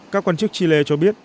các quan chức chile cho biết